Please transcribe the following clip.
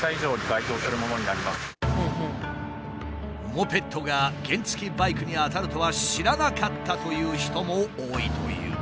モペットが原付バイクにあたるとは知らなかったという人も多いという。